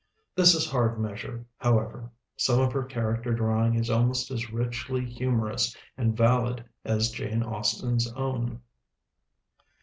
This is hard measure, however: some of her character drawing is almost as richly humorous and valid as Jane Austen's own.